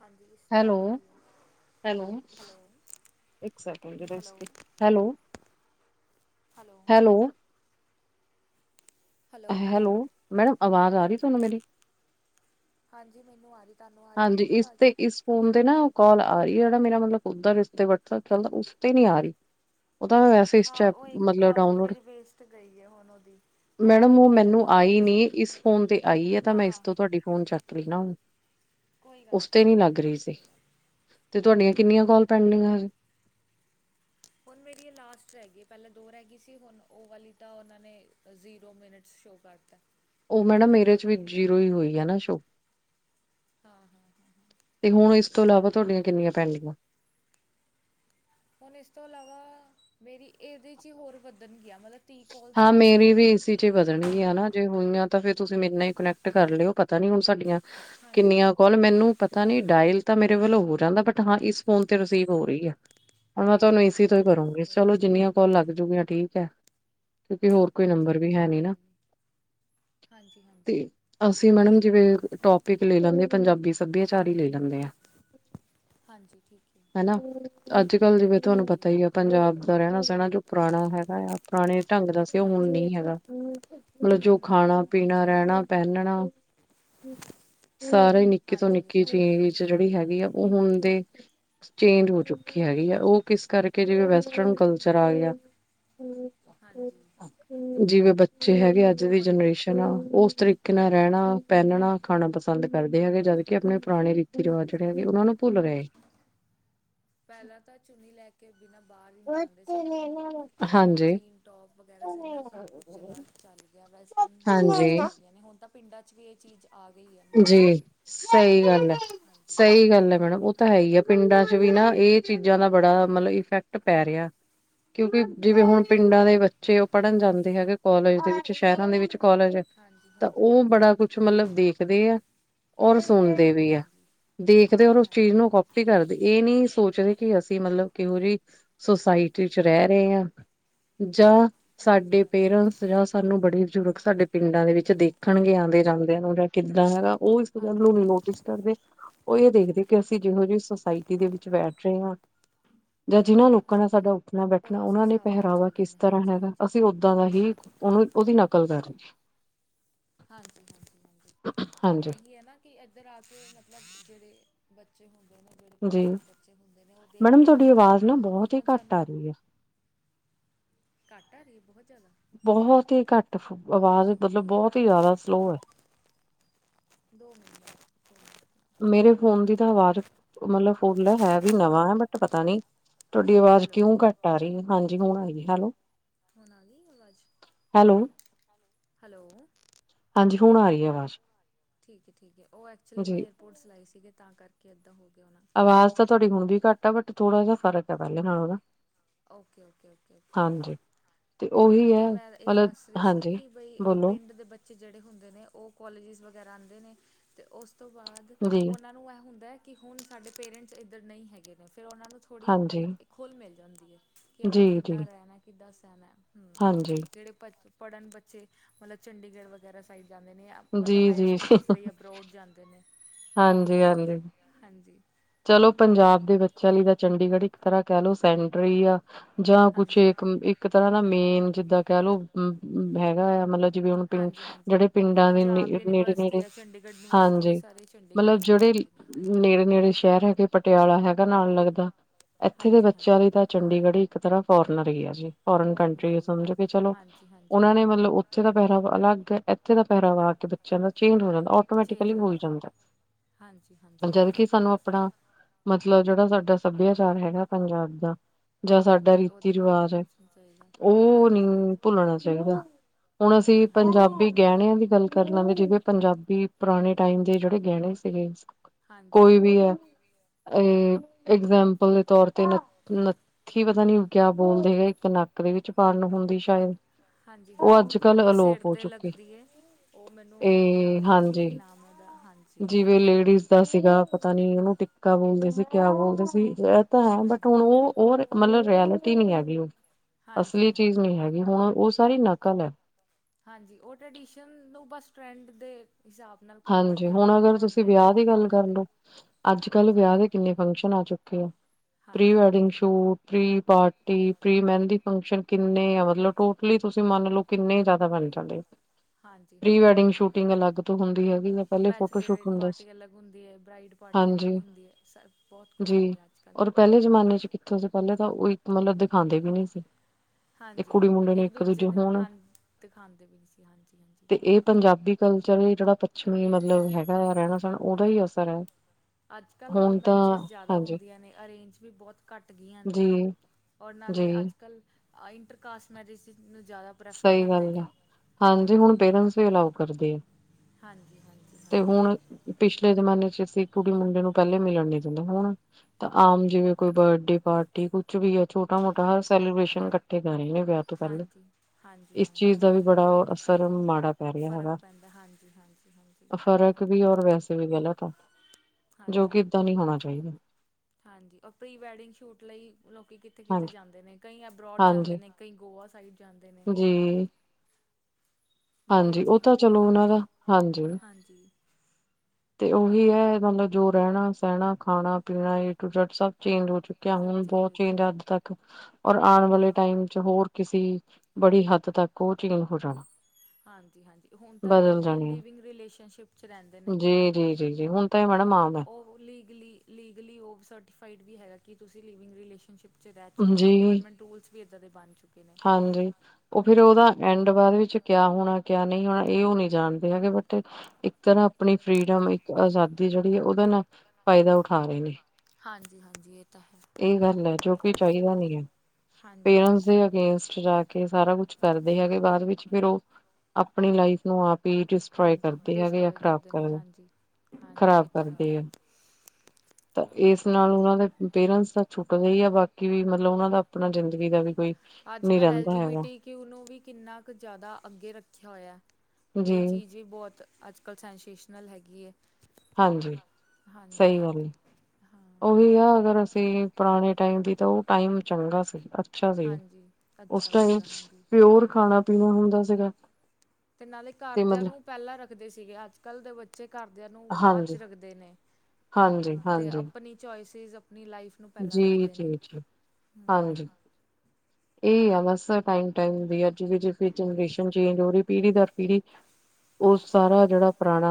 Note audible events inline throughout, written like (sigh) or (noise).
ਹਾਂਜੀ ਇਸ 'ਤੇ ਹੈਲੋ ਆਗੀ ਏ। ਹੈਲੋ ਹੈਲੋ, ਇੱਕ ਸੈਕਡ ਜਰਾ ਇਸ ਹੈਲੋ ਤੇ, ਹੈਲੋ, ਹੈਲੋ, ਹੈਲੋ, ਮੈਡਮ ਆਵਾਜ਼ ਆ ਰੀ ਤੁਆਨੂੰ ਮੇਰੀ- ਹਾਂਜੀ ਮੈਨੂੰ ਆਰੀ- ਹਾਂਜੀ ਇਸ ਤੇ ਇਸ ਫੋਨ ਤੇ ਨਾ ਕਾਲ ਆਰੀ ਯੈ ਮੇਰਾ ਮਲਬਦ ਔਦਾ ਰਿਸਤੇ ਵਟਸਪ ਚਲਦਾ ਉਸਤੇ ਨੀ ਆ ਰੀ ਔ ਤਾਂ ਵੈਸ ਹਾਂ ਇਸਚੈਪ ਉਹ ਇੱਕ ਮਤਲਬ ਕੋਲ ਡਾੳਨ ਹੁਣ ਲੋਡ, ਮੇਰੀ ਵੇਸਟ ਗਈ ਹੈ ਹੁਣ ਉਹਦੀ ਉਹ ਮੈਡਮ ਔ ਕੀ ਕਹਿੰਦੇ ਮੈਨੂੰ ਨੇ ਉਹਦੇ ਆਈ ਨੀ ਇਸ- ਫੋਨ ਤੇ ਆਈ ਆ ਤਾਂ ਹਾਂ ਮੈਂ ਇਸ ਹਾਂ ਤੋਂ ਤਾਡੀ ਫੋਨ ਚੱਕ ਲ ਨਾ ਹੁਣ ਕੋਈ ਗੱਲ ਉਸ ਨਹੀਂ ਤੇ ਕੋਈ ਨੀ ਗੱਲ ਲੱਗ ਰੀ ਨਹੀਂ ਸੀ। ਕੋਈ ਗੱਲ ਨਹੀਂ ਤੇ ਤੁਆਡਿਆ ਕਿੰਨੀਆਂ ਹਾਂਜੀ ਕਾਲ ਹਾਂਜੀ ਕੋਈ ਪੈਂਡਿੰਗਾ ਹੈ। ਹੁਣ ਮੇਰੀ ਇਹ ਲਾਸਟ ਰੈਹ ਗਈ ਪੈਲਾਂ ਦੋ ਰੈਹ ਗਈ ਸੀ ਹੁਣ ਔ ਵਾਲੀ ਤਾਂ ਔਨਾਂ ਨੇ ਜ਼ੀਰੋ ਮਿੰਨਟਸ ਸ਼ੋਅ ਕਰ ਤੈ ਔ ਮੈਡਮ ਮੇਰੇ ਚ ਵੀ ਜੀਰੋ ਹੀ ਹੋਈ ਹੈ ਨਾ ਸ਼ੋ ਹਾਂ ਹਾਂ ਹਾਂ ਹਾਂ ਤੇ ਹੁਣ ਇਸ ਤੋਂ ਇਲਾਵਾ ਤੁਹਾਡੀਆਂ ਕਿੰਨੀਆਂ ਪੈਂਡਗੈਂ- ਹੁਣ ਇਸ ਤੋਂ ਇਲਾਵਾ ਮੇਰੀ ਏਦੇ ਚ ਈ ਹੋਰ ਵਧਣ ਗਿਆ ਮਤਲਬ ਤੀਹ ਕੋਲ ਹਾਂ ਸੀ ਨਾ ਮੇਰੀ ਵੀ ਇਸੀ ਚ ਹੀ ਵਧਣ ਗਿਆ ਨਾ ਜੇ ਹੋਈਆਂ ਤਾਂ ਫੇਰ ਤੁਸੀਂ ਮੇਰੇ ਮੇਰੀ ਨਾਲ ਹੀ ਕੁਨੈਕਟ ਕਰ ਲੇਔ ਪ ਤਾ ਨੀ ਹੁਣ ਸਾਡੀਆਂ ਹਾਂ ਕਿੰਨੀਆਂ ਕਾਲ ਮੈਨੂੰ ਪਤਾ ਨੀ ਡਾਇਲ ਤਾਂ ਮੇਰੇ ਵੱਲੋਂ ਹੋ ਜਾਂਦਾ ਬਟ ਹਾਂ ਇਸ ਫੋਨ ਤੇ ਰਿਸੀਵ ਹੋ ਰੀ ਐ ਹੁਣ ਮੈਂ ਤਾਨੂੰ ਇਸੀ ਤੋਂ ਈ ਓਕੇ ਕਰੂੰਗੀ ਓਕੇ ਚਲੋ ਓਕੇ ਜਿਨੀਆਂ ਕੋਲ ਲੱਗ ਜਾੂਗੀ ਠੀਕੈ ਕਿਉਂਕਿ ਹੋਰ ਕੋਈ ਹਾਂਜੀ ਨੰਬਰ ਵੀ ਹਾਂਜੀ ਹੈ ਨੀ ਕੋਈ ਨਾ, ਗੱਲ ਨਹੀਂ ਹਾਂਜੀ ਤੇ ਹਾਂਜੀ ਅਸੀਂ ਮੈਡਮ ਜਿਵੇਂ ਟੋਪਿਕ ਲੈ ਲੈਂਦੇ ਪੰਜਾਬੀ ਸੱਭਿਆਚਾਰ ਈ ਲੈ ਲੈਂਦੇ ਆ ਹਾਂਜੀ ਠੀਕ ਹੈ ਹਨਾ ਅੱਜ- ਕੱਲ੍ਹ ਜਿਵੇਂ ਤੁਆਨੂੰ ਹਾਂਜੀ ਪਤਾ ਈ ਆ ਪੰਜਾਬ ਦਾ ਰੈਨਾ- ਸੈਨਾ ਜੋ ਪੁਰਾਣਾ ਹੈਗਾ ਆ। ਪੁਰਾਣੇ ਢੰਗ ਦਾ ਸੀ ਔ ਹੁਣ ਹਾਂਜੀ ਨੀ ਹਾਂਜੀ ਹੈਗਾ। ਮਲਬ ਜੋ ਹੁਣ ਨਹੀਂ ਖਾਣਾ- ਹੈਗਾ ਪੀਣਾ ਹਾਂਜੀ ਰੈਣਾ ਹਾਂਜੀ ਪੈਹਨਣਾ ਸਾਰੇ ਨਿੱਕੇ ਤੋ ਹਾਂਜੀ ਇਹ ਨਿੱਕੀ ਤਾਂ ਹੈ ਚੇਂਜ ਚ ਜਿਹੜੀ ਹੈਗੀ ਆ ਔ ਹੁਣ ਦੇ ਚੇਂਜ ਹੋ ਚੁੱਕੀ ਹੈਗੀ ਆ ਔ ਕਿਸ ਕਰਕੇ ਜਿਵੇਂ ਹਾਂਜੀ ਵੈਸਟਰਨ ਕਲਚਰ ਆ ਗਿਆ। ਹਾਂਜੀ। ਜਿਵੇਂ ਬੱਚੇ ਹੈਗੇ ਅੱਜ ਦੀ ਹੁਣ ਜਨਰੇਸ਼ਨ- ਪੈਨਾ ਉਸ ਤਰੀਕੇ ਨਾਲ ਰੈਣਾ ਪੈਨਨਾ ਖਾਣਾ ਪਸੰਦ ਕਰਦੇ ਹੈਗੇ ਜਦ ਕਿ ਅਪਣੇ ਪੁਰਾਣੇ- ਰਿਵਾਜ਼ ਜੇੜੇ ਹਾਂਜੀ ਹੈਗੇ ਔਨਾਂ ਨੂੰ ਭੁੱਲ ਰਹੇ। ਪੈਲਾਂ ਤਾਂ ਚੁੰਨੀ ਲੈ ਕੇ ਬਿਨਾਂ ਬਾਰ ਈ ਨੀ ਜਾਂਦੇ ਸੀ ਹੁਣ ਅੱਜ- ਕੱਲ੍ਹ ਹਾਂਜੀ ਜੀਨ, ਟੋਪ ਵਗੈਰਾ ਇਨਾ ਸਭ ਕੁਛ ਚਲਾ ਚੱਲ ਗਿਆ। ਵੈਸਟਰਨ ਡਰੈਸਿਸ ਹਾਂਜੀ ਚੱਲਦੀਆਂ ਨੇ, ਹੁਣ ਤਾਂ ਪਿੰਡਾਂ ਚ ਵੀ ਏ ਚੀਜ਼ ਆ ਗਈ ਐ ਜੀ ਸਈ ਗੱਲੈ, ਹਾਂਜੀ ਸਈ ਗੱਲੈ ਮੈੜਮ ਔ ਤਾ ਹੈ ਹਾਂਜੀ ਈ ਐ ਪਿੰਡਾਂ ਚ ਵੀ ਨਾ ਇਹ ਚੀਜ਼ਾਂ ਦਾ ਬੜਾ ਮਤਲਬ ਇਫੈਕਟ ਪੈ ਰਿਯਾ ਕਿਉਂਕਿ ਜਿਵੇਂ ਹੁਣ ਹਾਂਜੀ ਪਿੰਡਾਂ ਦੇ ਹਾਂਜੀ ਬੱਚੇ ਔਹ ਪੜ੍ਹਨ ਜਾਂਦੇ ਹੈਗੇ ਕੋਲੇਜ ਦੇ ਵਿੱਚ ਸ਼ੈਰਾਂ ਦੇ ਵਿੱਚ ਕੋਲੇਜ ਹਾਂਜੀ-ਹਾਂਜ-ਹਾਂਜੀ ਵੀ ਐ ਔਰ ਸੁਣਦੇ ਵੀ ਐ ਦੇਖਦੇ ਔਰ ਉਸ ਚੀਜ਼ ਹਾਂਜੀ ਨੂੰ ਹਾਂਜੀ ਕੋਪੀ ਕਰਦੇ ਏ ਨੀ ਸੋਚਦੇ ਕਿ ਅਸੀਂ ਮਤਲਬ ਕਿਹੋ ਜਿਹੀ ਸੁਸਾਇਟੀ ਚ ਰੈਹ ਰੇ ਆਂ। ਜਾਂ ਹਾਂਜੀ ਸਾਡੇ ਹਾਂਜੀ ਪੇਰੈਂਟਸ ਜਾਂ ਸਾਨੂੰ ਬੜੇ ਬਜ਼ੁਰਗ ਸਾਡੇ ਪਿੰਡਾਂ ਦੇ ਵਿੱਚ ਦੇਖਣਗੇ ਆਂਦੇ- ਜਾਂਦੇ ਨੂੰ ਕਿੱਦਾਂ ਹੈਗਾ। ਉਹ ਇਸ ਗੱਲ ਨੂੰ ਹਾਂਜੀ ਨੋਟਿਸ, ਕਰਦੇ, ਉਹ ਇਹ ਦੇਖਦੇ ਕਿ ਅਸੀਂ ਜਿਹੋ -ਜਿਹੀ ਸੁੋਸਾਇਟੀ ਦੇ ਵਿੱਚ ਬੈਠ ਰਹੇ ਹਾਂ। ਜਾਂ ਜਿਹਨਾਂ ਲੋਕਾਂ ਨਾਲ ਹਾਂਜੀ ਸਾਡਾ ਉੱਠਣਾ- ਉਹ ਬੈਠਣਾ ਉਸ ਉਹਨਾਂ ਨੇ ਹਿਸਾਬ ਨਾਲ ਪਹਿਰਾਵਾ ਚੱਲਦੇ ਕਿਸ ਨੇ ਤਰ੍ਹਾਂ ਹਾਂਜੀ ਹੈਗਾ, ਹਾਂਜੀ ਅਸੀਂ ਉਦ ਦਾਂ ਦਾ ਹੀ ਉਹਨੂੰ, ਉਹਦੀ ਨਕਲ ਕਰਦੇ। ਹਾਂਜੀ, ਹਾਂਜੀ ਇਹੀ ਹੈ ਨਾ ਕਿ ਇੱਧਰ ਆ ਕੇ ਮਤਲਬ ਜਿਹੜੇ, ਬੱਚੇ ਹੁੰਦੇ ਨੇ ਜਿਹੜੇ ਜੀ ਪਿੰਡਾਂ ਦੇ ਬੱਚੇ ਹੁੰਦੇ ਨੇ, ਉਹ ਮੈਡਮ ਦੇਖਦੇ ਨੇ ਤੁਹਾਡੀ ਕਿ ਆਵਾਜ਼ ਹਾਂ ਨਾ ਕਿ ਬਹੁਤ ਹੀ ਹੁਣ ਘੱਟ ਆ ਸਾਨੂੰ, ਰਹੀ ਹੈ ਘੱਟ ਆ ਰਹੀ ਬਹੁਤ ਜਿਆਦਾ! ਬਹੁਤ ਹੀ ਘੱਟ, ਆਵਾਜ਼ ਮਤਲਬ ਬਹੁਤ ਈ ਜ਼ਿਆਦਾ ਸਲੋ ਐ। ਦੋ ਮਿੰਟ ਹੋਲਡ ਮੇਰੇ ਫੋਨ ਦੀ ਤਾਂ ਆਵਾਜ਼, ਮਤਲਬ ਫੋਨ ਹੈ ਵੀ ਨਵਾਂ ਹੈ, ਬਟ ਪਤਾ ਨਹੀਂ। ਤੁਹਾਡੀ ਆਵਾਜ਼ ਹੈਲੋ ਕਿਉਂ ਘੱਟ ਆ ਰਹੀ ਐ, ਹਾਂਜੀ ਹੁਣ ਆਈ ਹੈਲੋ! ਹੁਣ ਆ ਗਈ ਆਵਾਜ਼, ਹੈਲੋ ਹੈਲੋ! ਹਾਂਜੀ ਹੁਣ ਆ ਰਹੀ ਹੈ ਆਵਾਜ਼। (inaudible) ਠੀਕ ਐ, ਠੀਕ ਐ, ਉਹ ਐਕਚੁਲੀ ਮੈਂ ਜੀ ਏਅਰਪੋਰਟਸ ਲਾਏ ਸੀਗੇ ਤਾਂ ਕਰਕੇ ਇੱਦਾਂ ਹੋ ਗਿਆ ਹੋਣਾ। ਆਵਾਜ਼ ਤਾਂ ਤੁਹਾਡੀ ਹੁਣ ਵੀ ਘੱਟ ਆ, 'ਬਟ ਥੋੜਾ ਜਿਹਾ ਫ਼ਰਕ ਐ ਪਹਿਲੇ ਨਾਲੋ ਨਾ। ਓਕੇ, ਓਕੇ, ਓਕੇ, ਓਕੇ ਹਾਂਜੀ ਤੇ ਹਾਂ ਉਹੀ ਤੇ ਹੈ ਮੈਂ ਇਹ ਮਤਲਬ ਦੱਸ ਰਹੀ ਸੀ ਹਾਂਜੀ ਕਿ ਬਈ ਉਹ ਬੋਲੋ ਪਿੰਡ ਦੇ ਬੱਚੇ' ਬੱਚੇ ਜਿਹੜੇ ਹੁੰਦੇ ਨੇ, ਉਹ ਕੋਲਜਿਸ ਵਗੈਰਾ ਆਂਦੇ ਨੇ ਅਤੇ ਉਸ ਤੋਂ ਬਾਅਦ, ਜੀ ਉਹਨਾਂ ਨੂੰ ਇਹ ਹੁੰਦਾ ਐ ਕਿ ਹੁਣ ਸਾਡੇ ਪੇਰੈਂਟਸ ਇੱਧਰ ਨਹੀਂ ਹੈਗੇ ਨੇ, ਫੇਰ ਉਹਨਾਂ ਨੂੰ ਥੋੜ੍ਹੀ ਹਾਂਜੀ, ਮਤਲਬ, ਖੁੱਲ੍ਹ ਮਿਲ ਜਾਂਦੀ ਐ ਕਿ ਆਪਾਂ ਜੀ-ਜੀ, ਕਿੱਦਾਂ ਰਹਿਣਾ, ਕਿੱਦਾਂ ਸਹਿਣਾ ਹਮ। ਹਾਂਜੀ। ਜੇੜੇ ਬਚ, ਪੜ੍ਹਨ ਬੱਚੇ ਮਤਲਬ ਚੰਡੀਗੜ੍ਹ ਵਗੈਰਾ ਸਾਈਡ ਜਾਂਦੇ ਨੇ ਅ ਮਤਲਬ ਹਾਇਰ ਜੀ-ਜੀ ਸਟੱਡੀਜ਼ ਲਈ ਅਬਰੋਡ ਜਾਂਦੇ ਨੇ। ਹਾਂਜੀ-ਹਾਂਜੀ। ਹਾਂਜੀ। ਚਲੋ ਪੰਜਾਬ ਦੇ ਬੱਚਿਆਂ ਲਈ ਤਾਂ ਚੰਡੀਗੜ੍ਹ ਇੱਕ ਤਰ੍ਹਾਂ ਕੈ ਲੋ ਸੈਂ ਟਰ ਈ ਆ। ਜਾਂ ਕੁਛ ਹਾਂਜੀ। ਇੱਕ, ਇੱਕ ਤਰ੍ਹਾਂ ਦਾ ਮੇਨ, ਜਿੱਦਾਂ ਕੈ ਲੋ ਹੈਗਾ ਆ ਮਤਲਬ ਜਿਵੇਂ ਹੁਣ ਪਿੰ, ਹਾਂਜੀ ਹਾਂਜੀ ਜੇੜੇ ਪਿੰਡਾਂ ਦੇ ਨੇ ਪੰਜਾਬ -ਨੇੜੇ- ਯੂਨੀਵਰਸਿਟੀ ਨੇੜੇ। ਹੈ ਚੰਡੀਗੜ੍ਹ ਯੂਨੀਵਰਸਿਟੀ ਹੈ ਹਾਂਜੀ, ਸਾਰੇ ਚੰਡੀਗੜ੍ਹ ਮਤਲਬ ਹੀ ਜੇੜੇ ਪੈਂਦੇ ਮਤਲਬ ਨੇ ਜਿਹੜੇ ਹਾਂਜੀ। ਨੇੜੇ-ਨੇੜੇ ਸ਼ਹਿਰ ਹੈਗੇ, ਪਟਿਆਲਾ ਹੈਗਾ ਨਾਲ ਲੱਗਦਾ। ਐਥੇ ਦੇ ਹਾਂਜੀ ਹਾਂਜੀ। ਬੱਚਿਆਂ ਲਈ ਤਾਂ ਚੰਡੀਗੜ੍ਹ ਈ, ਇੱਕ ਤਰਾਂ ਫੋਰਨਰ ਈ ਐ ਜੀ। ਫੋਰਨ ਕੰਟਰੀ ਫੋਰਨਰੀ ਸਮਝ ਹਾਂ ਕੇ ਚਲੋ, ਹਾਂਜੀ ਹਾਂਜੀ। ਓਨਾਂ ਨੇ ਮਤਲਬ ਬੱਚੇ ਦਾ ਪਹਿਰਾਵਾ ਅਲਗ ਏ, ਐਥੇ ਦਾ ਪਹਿਰਾਵਾ ਆ ਕੇ ਬੱਚਿਆਂ ਦਾ ਚੇਂਜ ਹੋ ਜਾਂਦਾ ਆਟੋਮੈਟਿਕਲੀ ਹੋ ਈ ਜਾਂਦੈ। ਹਾਂਜੀ ਹਾਂਜੀ ਜਦਕਿ ਹਾਂਜੀ। ਸਾਨੂੰ ਅ ਅਪਣਾ ਮਤਲਬ ਜੇੜਾ ਸਾਡਾ ਸੱਭਿਆਚਾਰ ਹੈਗਾ ਪੰਜਾਬ ਦਾ ਜਾਂ ਸਾਡਾ ਹਾਂਜੀ ਰੀਤੀ ਉਹਦੇ ਬਾਰੇ ਰਿਵਾਜ ਐ, ਪੁੱਛਣਾ ਚਾਹੀਦਾ ਓ ਹਾਂਜੀ ਨੀ ਭੁੱਲਣਾ ਚਾਈਦਾ। ਹੁਣ ਅਸੀਂ ਹਾਂਜੀ ਪੰਜਾਬੀ ਗੈਣਿਆਂ ਦੀ ਗੱਲ ਕਰ ਲਾਂਗੇ, ਜਿਵੇਂ ਪੰਜਾਬੀ ਪੁਰਾਣੇ ਟਾਈਮ ਜੇ ਜੇੜੇ ਗੈਣੇ ਸੀਗੇ, ਹਾਂਜੀ ਕੋਈ ਵੀ ਐ ਏ ਐਗਜੈਂਪਲ ਦੇ ਤੌਰ ਤੇ, ਨ -ਨੱਥੀ ਪਤਾ ਨੀ ਕਿਆ ਬੋਲਦੇ ਐ, ਇੱਕ ਨੱਕ ਦੇ ਵਿੱਚ ਪਾਂਨ ਨੂੰ ਹੁੰਦੀ ਸ਼ਾਇਦ। ਹਾਂਜੀ- ਉਹ ਹਾਂਜੀ। ਅੱਜ ਔਰ ਕੱਲ੍ਹ ਏਕ ਸਿਰ ਅਲੋਪ ਹੋ ਤੇ ਚੁੱਕੀ ਲੱਗਦੀ ਏ ਓ ਮੈਨੂੰ ਇਹ ਯਾਦ ਨੀ ਹਾਂਜੀ ਕਿ ਨਾਮ ਏ ਓਦਾ। ਹਾਂਜੀ। ਜਿਵੇਂ ਲੇਡੀਜ਼ ਦਾ ਸੀਗਾ ਪਤਾ ਨੀ ਓਨੂੰ ਟਿੱਕਾ ਬੋਲਦੇ ਸੀ, ਕਿਆ ਬੋਲਦੇ ਸੀ। ਹਾਂ, ਬਟ ਹਾਂਜੀ। ਹੁਣ ਓ, ਓ ਮਤਲਬ ਰੀਐਲਿਟੀ ਨੀ ਹੈਗੀ ਓ, ਹੈਗੀ ਅਸਲੀ ਉਹ ਚੀਜ਼ ਨੀ ਹੈ। ਵੀ ਹੁਣ ਓ ਸਾਰੀ ਨਕਲ ਐ। ਹਾਂਜੀ ਓ ਟਰਡੀਸ਼ਨ ਨੂੰ ਬਸ ਟਰੈਂਡ ਦੇ ਹਿਸਾਬ ਨਾਲ ਕਨਵਰਟ ਹਾਂਜੀ ਕਰਨ ਹੁਣ ਲਈ ਉਹ ਅਗਰ ਤੁਸੀਂ ਤੁਹਾਡੇ ਵਿਆਹ ਲਈ ਦੀ ਪਾ ਗੱਲ ਕਰ ਲੈਂਦੇ ਲੋ ਨੇ। ਅੱਜ-ਕੱਲ ਅੱਜ ਵਿਆਹ ਦੇ ਕਿੰਨੇ ਫੰਕਸ਼ਨ ਆ ਚੁੱਕੇ ਆ। ਪ੍ਰੀ ਚੁੱਕੇ ਆ wedding shoot pre party, pre mehndi function ਕਿੰਨੇ ਆ ਮਤਲਬ ਟੋਟਲੀ ਤੁਸੀਂ ਮੰਨ ਲਓ ਕਿੰਨੇ ਜਾਦਾ ਬਣ ਜਾਂਦੇ। (inaudible) ਪ੍ਰੀ ਵੈਡਿੰਗ ਸ਼ੂਟਿੰਗ ਅਲੱਗ ਤੋਂ ਹੁੰਦੀ ਹੈਗੀ। (unintelligible) ਬੈਚਲਰ ਸ਼ੂਟ ਹੁੰਦਾ ਸੀ ਪਾਰਟੀ ਅਲੱਗ ਹੁੰਦੀ ਐ, ਬਰਾਈਡ ਪਾਰਟੀ ਅਲੱਗ ਹਾਂਜੀ ਹੁੰਦੀ ਐ, ਸਬ ਬੋਤ ਕੁਛ ਆ ਗਿਆ ਅੱਜ ਕੱਲ੍ਹ। ਪਰ ਪੈਲੇ ਜਮਾਨੇ ਚ ਕਿੱਥੋਂ ਸੀ ਪੈਲੇ ਤਾਂ ਓ ਈ ਮਤਲਬ ਦਿਖਾਂਦੇ ਵੀ ਨੀ ਸੀ। ਏ ਹਾਂਜੀ ਕੁੜੀ ਮੁੰਡੇ ਨੇ ਇੱਕ ਦੂਜੇ ਨੇ ਹੁਣ ਹਾਂ ਦਿਖਾਉਂਦੇ ਵੀ ਨਹੀਂ ਸੀ ਹਾਂਜੀ ਹਾਂਜੀ ਤੇ ਏ ਪੰਜਾਬੀ ਕਲਚਰ ਲਈ ਜੇੜਾ ਪੱਛਮੀ ਮਤਲਬ ਹੈਗਾ ਆ ਰੈਣਾ ਸੈਣ ਓਦਾ ਈ ਅਸਰ ਐ। ਅੱਜ ਕੱਲ੍ਹ ਲਵ ਮੈਰਿਜਿਸ ਜਾਦਾ ਹੁੰਦੀਆਂ ਨੇ ਅਰੇਂਜ ਵੀ ਬੋਤ ਘੱਟ ਗੀਆਂ ਨੇ। ਜੀ ਔਰ ਜੀ ਨਾਲੇ ਅੱਜ ਕੱਲ੍ਹ ਅਤ ਇੰਟਰਕਾਸਟ ਮੈਰਿਜਸ ਨੂੰ ਜਾਦਾ ਸਈ ਗੱਲ ਐ ਹਾਂਜੀ ਹੁਣ ਪੇਰੈਂਟਸ ਵੀ ਅਲਾਓ ਕਰਦੇ। ਤੇ ਹਾਂਜੀ-ਹਾਂਜੀ-ਹਾਂਜੀ ਹੁਣ ਪਿਛਲੇ ਜਮਾਨੇ ਚ ਅਸੀਂ ਕੁੜੀ ਮੁੰਡੇ ਨੂੰ ਪੈਲੇ ਮਿਲਣ ਨੀ ਦਿੰਦੇ ਹੁਣ ਤਾਂ ਆਮ ਜਿਵੇਂ ਕੋਈ ਬਰਡੇ ਪਾਰਟੀ ਕੁੱਛ ਵੀ ਐ ਛੋਟਾ ਮੋਟਾ ਹਰ ਸੈਲੀਬ੍ਰੇਸ਼ਨ ਇਕੱਠੇ ਕਰ ਰੇ ਨੇ ਵਿਆਹ ਤੋਂ ਪਹਿਲੇ ਹਾਂਜੀ। ਹਾਂਜੀ ਇਸ ਹਾਂਜੀ ਚੀਜ਼ ਦਾ ਇਹ ਵੀ ਤਾਂ ਹੈ ਬੜਾ ਓ ਅਸਰ ਮਾੜਾ ਪੈ ਰਿਆ ਫ਼ਰਕ ਹੈਗਾ ਪੈਂਦਾ ਹਾਂਜੀ ਹਾਂਜੀ ਹਾਂਜੀ ਫ਼ਰ ਕ ਵੀ ਓਰ ਵੈਸੇ ਵੀ ਗਲਤ ਆ। ਜੋ ਕਿ ਏਦਾਂ ਨਹੀਂ ਹੋਣਾ ਚਾਹੀਦਾ ਹਾਂਜੀ-ਹਾਂਜੀ ਔਰ ਪ੍ਰੀ ਵੈਡਿੰਗ ਸ਼ੂਟ ਲਈ ਲੋਕੀ ਕੀ ਕਿੱਥੇ ਕਿਤੇ ਹਾਂਜੀ ਜਾਂਦੇ ਨੇ ਕਈ ਅਬਰੋਡ ਜਾਂਦੇ ਨੇ ਕਈ ਗੋਆ ਸਾਈਡ ਜਾਂਦੇ ਨੇ। ਏ ਮਤਲਬ ਇਹ ਹਾਂਜੀ ਓ ਚੀਜ਼ ਤਾਂ ਵੀ ਚਲੋ ਬਹੁਤ ਉਨਾਂ ਦਾ ਹਾਂਜੀ‌। ਹਾਂਜੀ। ਤੇ ਓਹੀ ਐ ਮਤਲਬ ਜੋ ਰੈਣਾ, ਸੈਣਾ, ਖਾਣਾ, ਪੀਣਾ ਏ ਟੂ ਜੇਡ ਸਭ ਚੇਂਜ ਹੋ ਚੁੱ ਕਿਆ ਸਭ ਚੁੱਕਾ ਹੁਣ ਬੋ ਹੋ ਚੇਂਜ ਚੁੱਕਾ। ਅੱਜ ਤਕ ਔਰ ਆਣ ਵਾਲੇ ਟਾਈਮ ਚ ਹੋਰ ਕਿਸੀ ਬੜੀ ਹੱਦ ਤੱਕ ਉਹ ਚੇਂਜ ਹੋ ਜਾਣਾ, ਹਾਂਜੀ-ਹਾਂਜੀ ਹੁਣ ਤਾਂ ਬਦਲ ਲੋਕੀ ਜਾਣੀ ਆ। ਲਿਵਿੰਗ ਰਿਲੇਸ਼ਨਸ਼ਿਪ ਚ ਰੈਂਦੇ ਨੇ ਜੀ, ਜੀ, ਜੀ, ਜੀ ਹੁਣ ਤਾਂ ਇਹ ਮੈਡਮ ਹਾਂ ਆਮ ਹੈ, ਓ ਓ ਲੀਗਲੀ-ਲੀਗਲੀ ਓ ਸਰਟੀਫਾਈਡ ਵੀ ਹੈਗਾ ਕੀ ਤੁਸੀਂ ਲਿਵਿੰਗ ਰਿਲੇਸ਼ਨਸ਼ਿਪ ਚ ਰੈ ਚੁੱਕੇ ਓ ਜੀ, ਗਵਰਮੈਂਟ ਰੂਲਸ ਵੀ ਇੱਦਾਂ ਦੇ ਬਣ ਚੁੱਕੇ ਨੇ। ਹਾਂਜੀ ਓ ਫਿਰ ਓਦਾ ਐਂਡ ਬਾਦ ਵਿੱਚ ਕਿਆ ਹੋਣਾ ਕਿਆ ਨੀ ਹੋਣਾ ਏ ਓ ਨੀ ਜਾਣਦੇ ਹੈਗੇ ਬਟ ਇੱਕ ਤਰ੍ਹਾਂ ਆਪਣੀ ਫਰੀਡਮ ਇੱਕ ਆਜ਼ਾਦੀ ਜੇੜੀ ਓਦੇ ਨਾ ਫਾਇਦਾ ਉਠਾ ਰੇ ਨੇ। ਹਾਂਜੀ ਹਾਂਜੀ ਇਹ ਤਾਂ ਹੈ ਏ ਗੱਲ ਐ ਜੋ ਕੀ ਚਾਈਦਾ ਨੀ ਐ। ਹਾਂਜੀ ਉਸਦੇ ਹਾਂਜੀ। ਅਗੇਂਸਟ ਜਾ ਕੇ ਸਾਰਾ ਕੁਛ ਕਰਦੇ ਹੈਗੇ ਬਾਦ ਵਿੱਚ ਫਿਰ ਓ ਆਪਣੀ ਲਾਈਫ ਨੂੰ ਆਪ ਈ ਡਿਸਟ੍ਰੋਏ ਹਾਂਜੀ ਕਰਦੇ ਹੈਗੇ ਆ ਡਿਸਟ੍ਰੋਏ ਖ਼ਰਾਬ ਕਰਦੇ ਨੇ ਕਰ ਹਾਂਜੀ ਹਾਂਜੀ ਖ਼ਰਾਬ ਇਹ ਤਾਂ ਹੈ। ਕਰਦੇ ਆ। (inaudible) ਤਾਂ ਰਸ ਨਾਲ ਉਨਾਂ ਦੇ ਪੇਰੈਂਟਸ ਤਾਂ ਛੁੱਟਦੇ ਈ ਆ ਬਾਕੀ ਵੀ ਮਤਲਬ ਉਨਾਂ ਦਾ ਆਪਣਾ ਜ਼ਿੰਦਗੀ ਦਾ ਵੀ ਕੋਈ ਅੱਜ ਨਹੀਂ ਕੱਲ੍ਹ ਐਲ ਰਹਿੰਦਾ ਜੀ ਬੀ ਹੈਗਾ ਟੀ ਕਿਊ ਨੂੰ ਵੀ ਕਿੰਨਾ ਕ ਜਾਦਾ ਅੱਗੇ ਰੱਖਿਆ ਹੋਇਆ। ਜੀ ਏ ਚੀਜ਼ ਵੀ ਬੋਤ ਅੱਜ ਕੱਲ੍ਹ ਸੈਂਸੇਸ਼ਨਲ ਹੈਗੀ ਏ। ਹਾਂਜੀ ਸਈ ਗੱਲ। ਹਾਂ। ਓਹੀ ਆ ਅਗਰ ਅਸੀਂ ਪੁਰਾਣੇ ਟਾਈਮ ਦੀ ਤਾਂ ਓ ਟਾਈਮ ਚੰਗਾ ਸੀ, ਅੱਛਾ ਸੀ ਹਾਂਜੀ ਉਸ ਅੱਛਾ ਟਾਈਮ ਸੀਗਾ ਹਾਂਜੀ। ਪਿਓਰ ਖਾਣਾ ਪਿਓਰ ਹੁੰਦਾ ਸੀਗਾ। ਤੇ ਨਾਲੇ ਤੇ ਘਰਦਿਆਂ ਨੂੰ ਮਤਲਬ ਪਹਿਲਾਂ ਰੱਖਦੇ ਸੀਗੇ ਅੱਜ ਕੱਲ੍ਹ ਦੇ ਬ ਬੱਚੇ ਘਰਦਿਆਂ ਨੂੰ ਬਾਅਦ ਚ ਹਾਂਜੀ ਰੱਖਦੇ ਨੇ ਹਾਂਜੀ ਤੇ ਹਾਂਜੀ ਆਪਣੀ ਚੁਇਸਿਸ ਆਪਣੀ ਲਾਈਫ ਨੂੰ ਪਹਿਲਾਂ ਜੀ ਰੱਖਦੇ ਨੇ ਜੀ ਜੀ ਹਾਂਜੀ ਹੂੰ ਹਾਂ ਇਹ ਆ ਬਸ ਟਾਈਮ ਟਾਈਮ ਦੀ ਅੱਜ ਜ ਜਨਰੇਸ਼ਨ ਚੇਂਜ ਹੋ ਰਹੀ ਪੀੜ੍ਹੀ ਦਰ ਪੀੜੀ ਉਹ ਸਾਰਾ ਜਿਹੜਾ ਪੁਰਾਣਾ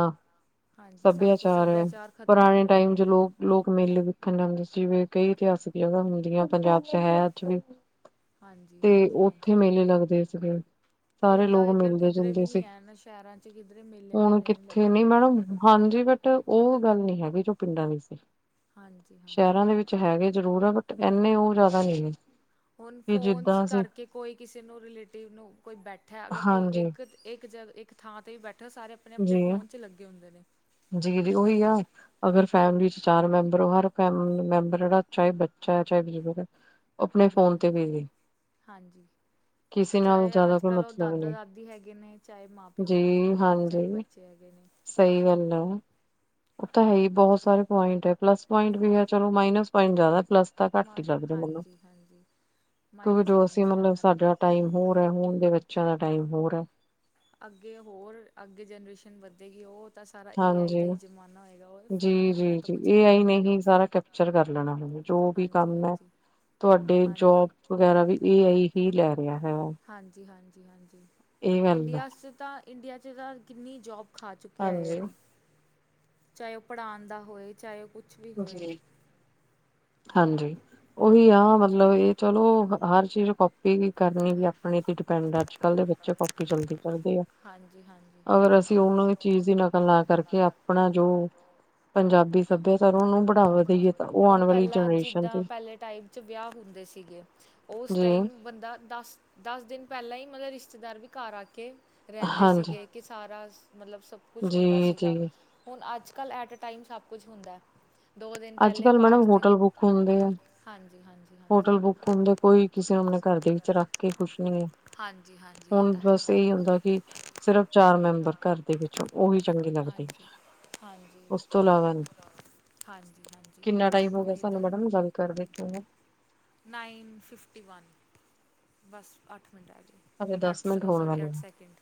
ਹਾਂਜੀ ਸਭ ਕੁਛ ਸਭਿਆਚਾਰ ਹੈ ਸੱਭਿਆਚਾਰ ਖ਼ਤਮ ਹੋ ਪੁਰਾਣੇ ਰਿਹਾ ਟਾਈਮ ਚ ਲੋਕ ਲੋਕ ਮੇਲੇ ਵੇਖਨ ਜਾਂਦੇ ਸੀ ਕਈ ਇਤਿਹਾਸਿਕ ਜਗ੍ਹਾ ਹੁੰਦੀਆਂ ਪੰਜਾਬ ਚ ਹੈ ਅੱਜ ਵੀ ਹਾਂਜੀ ਤੇ ਹਾਂਜੀ ਉੱਥੇ ਹਾਂਜੀ। ਮੇਲੇ ਲੱਗਦੇ ਸੀਗੇ ਸਾਰੇ ਹੁਣ ਤਾਂ ਲੋਕ ਇੱਧਰ ਮਿਲਦੇ ਕਿੱਧਰੇ ਜੁਦੇ ਵੀ ਨਹੀਂ ਸੀਗੇ ਹੈ ਨਾ ਸ਼ਹਿਰਾਂ 'ਚ ਕਿੱਧਰੇ ਮੇਲੇ ਹੁਣ ਮੂਲੇ ਨਹੀਂ ਕਿੱਥੇ ਲੱਗਦੇ ਨੀ ਹੈਗੇ। ਮੈਡਮ ਹਾਂਜੀ ਬਟ ਉਹ ਗੱਲ ਨੀ ਹੈਗੀ ਜੋ ਪਿੰਡਾਂ ਵਿੱਚ ਸੀ ਹਾਂਜੀ ਹਾਂਜੀ ਸ਼ਹਿਰਾਂ ਦੇ ਵਿੱਚ ਹੈਗੇ ਜ਼ਰੂਰ ਹੈ ਬਟ ਇੰਨੇ ਉਹ ਜ਼ਿਆਦਾ ਨਹੀਂ ਨੇ ਹੁਣ ਫੋਨਸ ਕਰਕੇ ਕੋਈ ਕਿਸੇ ਨੂੰ ਰਿਲੇਟਿਵ ਨੂੰ ਕੋਈ ਬੈਠਾ ਅਗਰ ਕੋਈ ਹਾਂਜੀ ਇੱਕ ਇੱਕ ਜਗ ਇੱਕ ਥਾਂ ਤੇ ਵੀ ਬੈਠੇ ਸਾਰੇ ਆਪਣੇ ਆਪਣੇ ਜੀ ਫੋਨ ਚ ਲੱਗੇ ਹੁੰਦੇ ਨੇ ਜੀ ਜੀ ਉਹੀ ਆ ਅਗਰ ਫੈਮਲੀ ਚ ਚਾਰ ਮੈਂਬਰ ਹਰ ਮੈਂਬਰਾ ਚਾਹੇ ਬੱਚਾ ਹੈ ਚਾਹੇ ਬਜ਼ੁਰਗ ਹੈ ਆਪਣੇ ਹਾਂਜੀ ਫੋਨ ਤੇ ਹਾਂਜੀ ਬਿਜੀ ਹਾਂਜੀ ਕਿਸੇ ਨਾਲ ਚਾਹੇ ਜ਼ਿਆਦਾ ਅੱਜ ਕੋਈ ਕੱਲ ਉਹ ਮਤਲਬ ਦਾਦਾ ਨਹੀਂ ਦਾਦੀ ਹੈਗੇ ਨੇ ਚਾਹੇ ਮਾਂ ਪਿਓ ਹੈਗੇ ਜੀ ਨੇ ਚਾਹੇ ਹਾਂਜੀ ਬੱਚੇ ਹੈਗੇ ਨੇ ਸਹੀ ਗੱਲ ਹੈ ਹੁਣ ਉਹ ਤਾਂ ਹੈ ਹੀ ਬਹੁਤ ਸਾਰੇ ਪੁਆਇੰਟ ਹੈ ਪਲੱਸ ਪੁਆਇੰਟ ਵੀ ਹੈ ਚਲੋ ਮਾਇਨਸ ਪੁਆਇੰਟ ਜ਼ਿਆਦਾ ਪਲੱਸ ਤਾਂ ਮ ਘੱਟ ਹੀ ਲੱਗਦੇ ਮੈਨੂੰ ਹਾਂਜੀ ਹਾਂਜੀ ਕਿਉਂਕਿ ਮਾਈਨਸ ਜੋ ਅਸੀਂ ਪੁਆਇੰਟਸ ਮਤਲਬ ਜ਼ਿਆਦਾ ਨੇ ਸਾਡੇ ਨਾ ਟਾਈਮ ਹੋਰ ਹੈ ਹੁਣ ਦੇ ਬੱਚਿਆਂ ਦਾ ਟਾਈਮ ਹੋਰ ਹੈ। ਅੱਗੇ ਹੋਰ ਅੱਗੇ ਜਨਰੇਸ਼ਨ ਵੱਧੇਗੀ ਉਹ ਤਾਂ ਸਾਰਾ ਏ ਆਈ ਹਾਂਜੀ ਦਾ ਹੀ ਜ਼ਮਾਨਾ ਹੋਏਗਾ ਉਹ ਫੋਨ ਦੇ ਬਿਨਾ ਤਾਂ ਕੁਛ ਹੈ ਹੀ ਨਹੀਂ ਚਲੋ ਮੈਂ ਆਪਣਾ ਨਾਮ ਲੈਨੀ ਜੋ ਵੀ ਹਾਂਜੀ ਕੰਮ ਹੈ ਹਾਂਜੀ ਤੁਹਾਡੇ ਹਾਂਜੀ ਜੋਬ ਵਗੈਰਾ ਵੀ ਏ ਆਈ ਕੀ ਕਹਿ ਰਿਹਾ ਹੈਗਾ ਹਾਂਜੀ ਹਾਂਜੀ ਹਾਂਜੀ ਹੈ। ਇੰਡੀਆ 'ਚ ਤਾਂ ਇੰਡੀਆ 'ਚ ਤਾਂ ਕਿੰਨੀ ਜੋਬ ਖਾ ਚੁੱਕਿਆ ਹੈ ਹਾਂਜੀ ਏਆਈ ਚਾਹੇ ਉਹ ਪੜ੍ਹਾਉਣ ਦਾ ਹੋਏ ਚਾਹੇ ਉਹ ਕੁਛ ਵੀ ਹੋਏ ਜੀ ਹਾਂਜੀ ਉਹੀ ਆ ਹਾਂਜੀ ਮਤਲਬ ਮਤਲਬ ਇਹ ਚਲੋ ਹਰ ਚੀਜ਼ ਨੂੰ ਕਾਪੀ ਹੀ ਕਰਨੀ ਆ ਆਪਣੇ ਤੇ ਡਿਪੈਂਡ ਆ ਅੱਜ ਕੱਲ ਦੇ ਬੱਚੇ ਕਾਪੀ ਜਲਦੀ ਕਰਦੇ ਆ ਹਾਂਜੀ ਹਾਂਜੀ ਅਗਰ ਹਾਂਜੀ ਅਸੀਂ ਉਹਨਾਂ ਦੀ ਚੀਜ਼ ਦੀ ਨਕਲ ਨਾ ਕਰਕੇ ਆਪਣਾ ਜੋ ਪੰਜਾਬੀ ਸੱਭਿਅਚਾਰ ਨੂੰ ਬੜਾਵਾ ਦਈਏ ਤਾਂ ਉਹ ਆਉਣ ਹੁਣ ਵਾਲੀ ਪਹਿਲਾਂ ਜਨਰੇਸ਼ਨ ਜਿੱਦਾਂ ਤੇ ਪਹਿਲੇ ਟਾਈਮ ਚ ਵਿਆਹ ਹੁੰਦੇ ਸੀਗੇ ਉਸ ਜੀ ਟਾਈਮ ਬੰਦਾ ਦਸ ਦਸ ਦਿਨ ਪਹਿਲਾਂ ਹੀ ਮਤਲਬ ਰਿਸ਼ਤੇਦਾਰ ਵੀ ਘਰ ਆ ਕੇ ਰਹਿੰਦੇ ਹਾਂਜੀ ਸੀਗੇ ਕਿ ਸਾਰਾ ਮਤਲਬ ਸਬ ਸਭ ਕੁਛ ਹੁੰਦਾ ਜੀ ਸੀਗਾ ਜੀ ਹੁਣ ਅੱਜ ਕੱਲ੍ਹ ਐਟਏ ਟਾਈਮ ਸਭ ਕੁਝ ਹੁੰਦਾ ਦੋ ਦਿਨ ਅੱਜ ਪਹਿਲੇ ਕੱਲ ਪਾਠ ਮੈਡਮ 'ਤੇ ਹੋਟਲ ਬੁੱਕ ਹੁੰਦੇ ਆ ਹਾਂਜੀ ਹਾਂਜੀ ਹਾਂਜੀ ਹੋਟਲ ਬੁੱਕ ਹੁੰਦੇ ਕੋਈ ਕਿਸੇ ਨੂੰ ਆਪਣੇ ਘਰ ਦੇ ਵਿੱਚ ਰੱਖ ਕੇ ਖੁਸ਼ ਨਹੀਂ ਹੈ ਹਾਂਜੀ ਹਾਂਜੀ ਹਾਂਜੀ ਇਹ ਹੁਣ ਤਾਂ ਹੈ ਬਸ ਇਹੀ ਹੁੰਦਾ ਕਿ ਸਿਰਫ਼ ਚਾਰ ਮੈਂਬਰ ਘਰ ਦੇ ਵਿੱਚੋਂ ਉਹੀ ਚੰਗੇ ਲੱਗਦੇ ਹਾਂਜੀ ਉਸ ਤੋਂ ਇਲਾਵਾ ਨਈ ਦਾ ਹਾਂਜੀ ਹਾਂਜੀ ਕਿੰਨਾ ਟਾਈਮ ਹੋ ਗਿਆ ਇਹ ਤਾਂ ਸਾਨੂੰ ਹੈ ਮੈਡਮ ਗੱਲ ਕਰ ਦੇ ਕੇ ਨਾ ਨਾਈਨ ਫਿਫਟੀ ਵਨ ਬਸ ਅੱਠ ਮਿੰਟ ਰਹਿ ਹਾਲੇ ਗਏ ਦਸ ਅੱਠ ਸ ਮਿੰਟ ਹੋਣ ਸੋਰੀ ਵਾਲੇ ਅੱਠ ਆ। ਸੈਕਿੰਡ।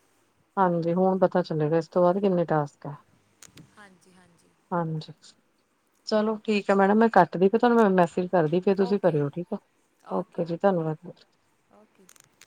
ਹਾਂਜੀ, ਹੁਣ ਪਤਾ ਚੱਲੇਗਾ ਇਸ ਤੋਂ ਬਾਅਦ ਕਿੰਨੇ ਟਾਸਕ। ਆ ਹਾਂਜੀ-ਹਾਂਜੀ। ਹਾਂਜੀ। ਚਲੋ ਠੀਕ ਹੈ ਮੈਡਮ ਮੈਂ ਕੱਟਦੀ ਪੀ, ਫਿਰ ਤੁਹਾਨੂੰ ਮ ਮੈਸੇਜ ਕਰਦੀ ਫੇਰ ਤੁਸੀਂ ਓਕੇ ਕਰਿਓ ਠੀਕ ਆ। ਓਕੇ ਜੀ, ਧੰਨਵਾਦ। ਓਕੇ ਜੀ।